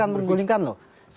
bukan menggulingkan loh